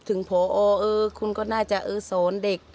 ผอคุณก็น่าจะสอนเด็ก